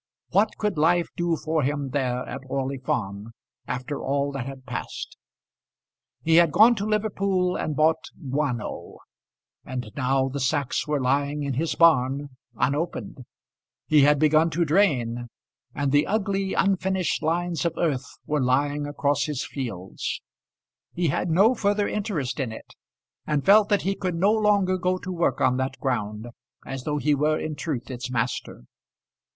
What could life do for him there at Orley Farm, after all that had passed? He had gone to Liverpool and bought guano, and now the sacks were lying in his barn unopened. He had begun to drain, and the ugly unfinished lines of earth were lying across his fields. He had no further interest in it, and felt that he could no longer go to work on that ground as though he were in truth its master.